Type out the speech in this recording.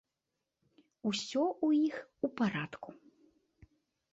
Усё ў іх у парадку.